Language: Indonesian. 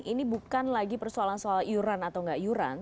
ini bukan lagi persoalan persoalan iuran atau nggak iuran